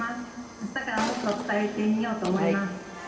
明日からもっと伝えてみようと思います。